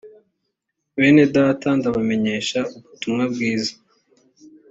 bene data ndabamenyesha ubutumwa bwiza